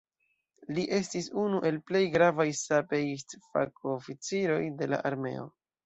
Li estis unu el plej gravaj sapeist-fakoficiroj de la armeo.